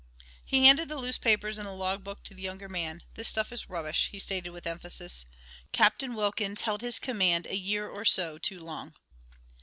He handed the loose papers and the log book to the younger man. "This stuff is rubbish," he stated with emphasis. "Captain Wilkins held his command a year or so too long."